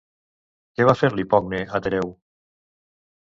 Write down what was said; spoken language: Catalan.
Què va fer-li Pocne a Tereu?